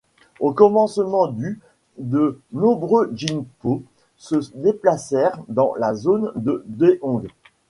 Au commencement du de nombreux Jingpo se déplacèrent dans la zone de Dehong.